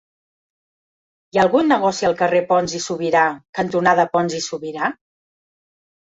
Hi ha algun negoci al carrer Pons i Subirà cantonada Pons i Subirà?